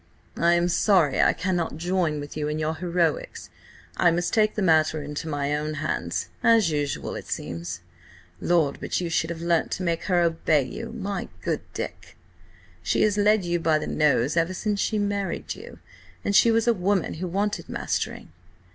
"I am sorry I cannot join with you in your heroics. I must take the matter into my own hands, as usual, it seems. Lord, but you should have learnt to make her obey you, my good Dick! She has led you by the nose ever since she married you, and she was a woman who wanted mastering!"